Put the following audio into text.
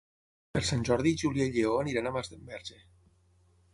Per Sant Jordi na Júlia i en Lleó iran a Masdenverge.